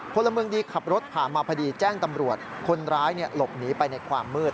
พลเมืองดีขับรถผ่านมาพอดีแจ้งตำรวจคนร้ายหลบหนีไปในความมืด